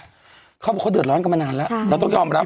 เขาบอกเขาเดือดร้อนกันมานานแล้วเราต้องยอมรับ